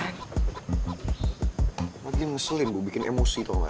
kenapa dia ngeselin bu bikin emosi tau gak